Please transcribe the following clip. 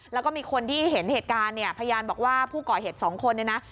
แล้วก็มีคนที่เห็นเหตุการณ์พยานบอกว่าผู้เกาะเหตุ๒คน